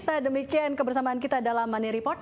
sedemikian kebersamaan kita dalam money report